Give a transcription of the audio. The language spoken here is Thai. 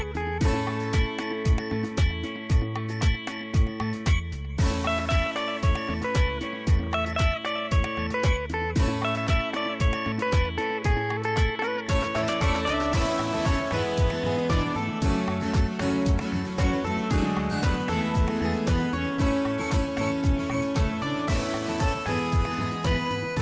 โปรดติดตามตอนต่อไป